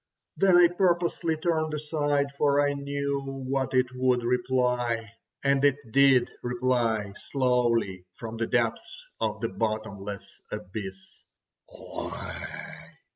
Then I purposely turned aside, for I knew what it would reply. And it did reply slowly from the depths of the bottomless abyss: "Lie!"